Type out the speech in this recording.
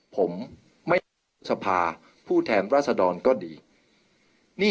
เพื่อยุดยั้งการสืบทอดอำนาจของขอสอชอต่อและยังพร้อมจะเป็นนายกรัฐมนตรี